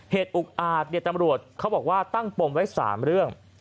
เหตุอุกอาจตำรวจเขาบอกว่าตั้งปมไว้๓เรื่อง